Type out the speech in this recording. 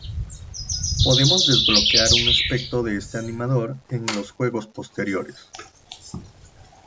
Podemos desbloquear un aspecto de este animador en los juegos posteriores.